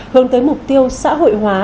hướng tới mục tiêu xã hội hóa